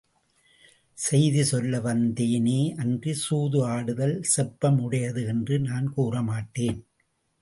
செய்தி சொல்ல வந்தே னே அன்றிச் சூது ஆடுதல் செப்பம் உடையது என்று நான் கூறமாட்டேன்.